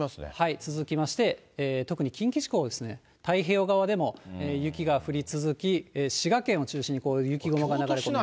続きまして、特に近畿地方、太平洋側でも雪が降り続き、滋賀県を中心に雪雲が流れ込みます。